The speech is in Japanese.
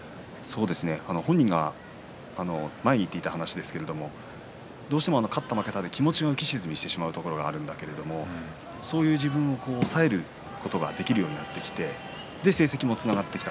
本人が前に言っていた話ですがどうしても勝った負けたで気持ちが浮き沈みしてしまうところがあった、そういう自分を抑えることができるようになってきてそれで成績にもつながってきた。